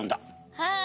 はい！